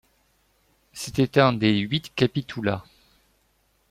C'était un des huit capitoulats.